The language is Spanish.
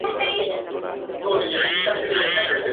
Dirge es un personaje de juguetes sólo en Transformers Animated.